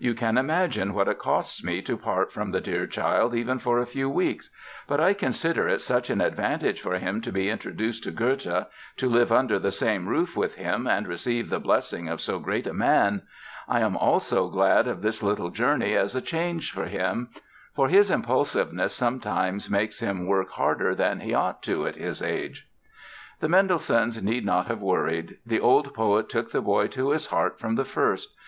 You can imagine what it costs me to part from the dear child even for a few weeks. But I consider it such an advantage for him to be introduced to Goethe, to live under the same roof with him and receive the blessing of so great a man! I am also glad of this little journey as a change for him; for his impulsiveness sometimes makes him work harder than he ought to at his age." The Mendelssohns need not have worried. The old poet took the boy to his heart from the first.